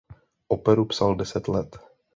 Operu psal deset let.